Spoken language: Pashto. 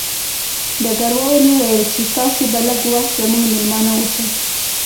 ډګروال وویل چې تاسې به لږ وخت زموږ مېلمانه اوسئ